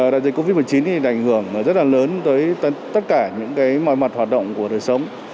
đại dịch covid một mươi chín ảnh hưởng rất là lớn tới tất cả những mọi mặt hoạt động của đời sống